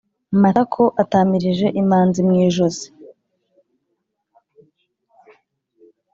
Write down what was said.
Matako atamirije imanzi mu ijosi